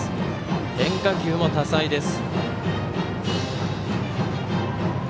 変化球も多彩です。